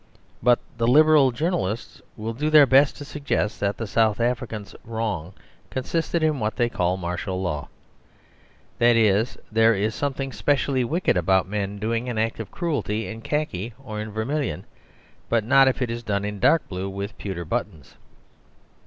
But the Liberal journalists will do their best to suggest that the South African wrong consisted in what they call Martial Law. That is, that there is something specially wicked about men doing an act of cruelty in khaki or in vermilion, but not if it is done in dark blue with pewter buttons.